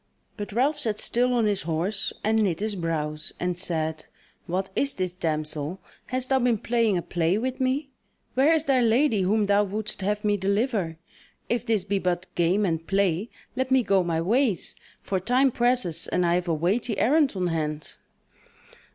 But Ralph sat still on his horse, and knit his brows, and said: "What is this, damsel? hast thou been playing a play with me? Where is thy lady whom thou wouldst have me deliver? If this be but game and play, let me go my ways; for time presses, and I have a weighty errand on hand."